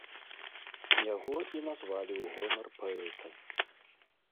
Яго і назвалі ў гонар паэта.